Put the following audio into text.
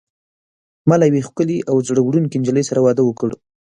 ما له یوې ښکلي او زړه وړونکي نجلۍ سره واده وکړ.